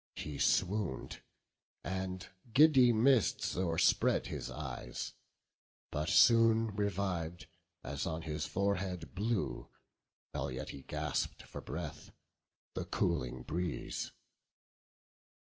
He swoon'd, and giddy mists o'erspread his eyes: But soon reviv'd, as on his forehead blew, While yet he gasp'd for breath, the cooling breeze.